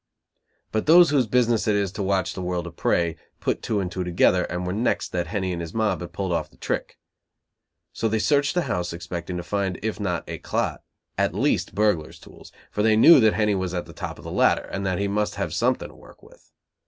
But those whose business it is to watch the world of prey, put two and two together, and were "next" that Henny and his mob had pulled off the trick. So they searched the house, expecting to find, if not éclat, at least burglars tools; for they knew that Henny was at the top of the ladder, and that he must have something to work with.